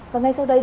và ngay sau đây